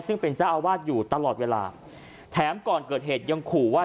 ซึ่งเป็นเจ้าอาวาสอยู่ตลอดเวลาแถมก่อนเกิดเหตุยังขู่ว่า